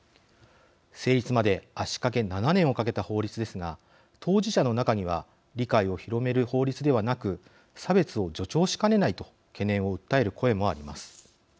成立まで足かけ７年をかけた法律ですが、当事者の中には理解を広める法律ではなく差別を助長しかねないと懸念を訴える声もあります。